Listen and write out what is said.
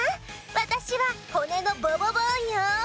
わたしは骨のボボボーンよ！